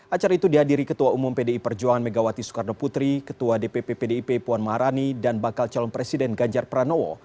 acara itu dihadiri ketua umum pdi perjuangan megawati soekarno putri ketua dpp pdip puan maharani dan bakal calon presiden ganjar pranowo